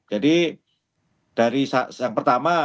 jadi dari yang pertama